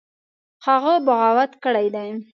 هغه بغاوت کړی دی.